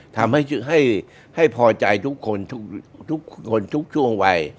ทำให้พอใจทุกคนทุกคนทุกช่วงวัย